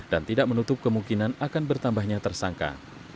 dan tidak menutup kemungkinan akan bertambahnya tersangka